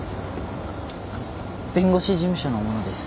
あの弁護士事務所の者です。